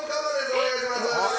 お願いします。